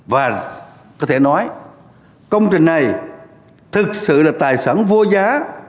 và có thể nói công trình này thực sự là tài sản vô giá